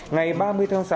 ngày ba mươi tháng sáu